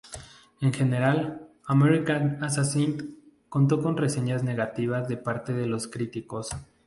En general, "American Assassin" contó con reseñas negativas de parte de los críticos.